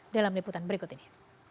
dalam liputan berikut ini